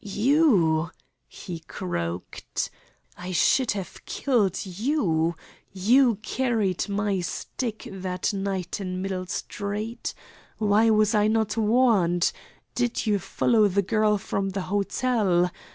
"You!" he croaked. "I should have killed you! You carried my stick that night in Middle Street. Why was I not warned? Did you follow the girl from the hotel?